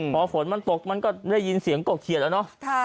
พอฝนมันตกมันก็ได้ยินเสียงกกเขียนแล้วเนอะ